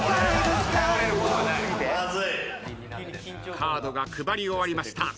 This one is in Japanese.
カードが配り終わりました。